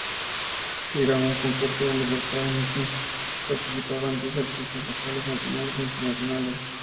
Era un concurso donde por cada emisión participaban diez artistas locales, nacionales e internacionales.